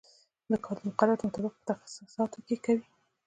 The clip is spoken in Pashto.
دا کار د مقرراتو مطابق په تخصیصاتو کې کوي.